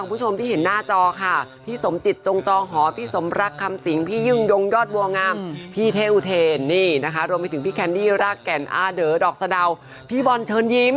พี่เทวูเทรนี่นะคะรวมไปถึงพี่แคนดี้รากแก่นอ่าเดอร์ดอกสะดาวพี่บอลเชิญยิ้ม